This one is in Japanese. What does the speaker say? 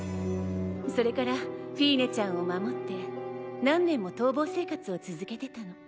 それからフィーネちゃんを守って何年も逃亡生活を続けてたの。